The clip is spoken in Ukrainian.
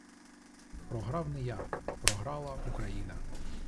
Програв не я. Програла Україна…